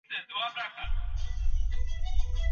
آیا ښځه بايد د ښځي بدن وګوري؟